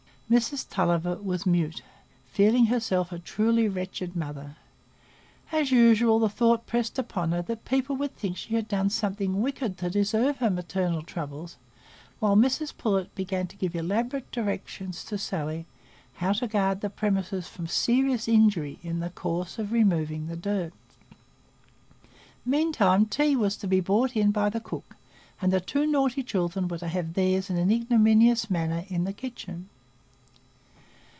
Mrs Tulliver was mute, feeling herself a truly wretched mother. As usual, the thought pressed upon her that people would think she had done something wicked to deserve her maternal troubles, while Mrs Pullet began to give elaborate directions to Sally how to guard the premises from serious injury in the course of removing the dirt. Meantime tea was to be brought in by the cook, and the two naughty children were to have theirs in an ignominious manner in the kitchen.